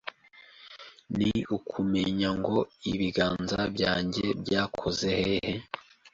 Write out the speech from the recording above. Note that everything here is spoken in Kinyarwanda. ni ukumenya ngo ibiganza byange byakoze hehe